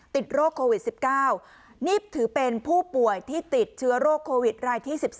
ติดโรคโควิด๑๙นี่ถือเป็นผู้ป่วยที่ติดเชื้อโรคโควิดรายที่๑๒